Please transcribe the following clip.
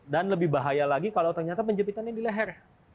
dan lebih bahaya lagi kalau ternyata penjepitannya di leher